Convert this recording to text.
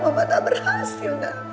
mama tak berhasil mak